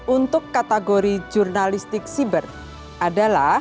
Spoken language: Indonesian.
untuk kategori jurnalistik siber adalah